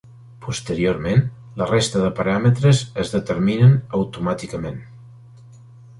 Posteriorment, la resta de paràmetres es determinen automàticament.